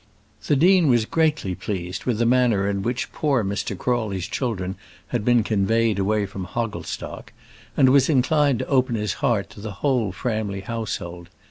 The dean was greatly pleased with the manner in which poor Mr. Crawley's children had been conveyed away from Hogglestock, and was inclined to open his heart to the whole Framley household.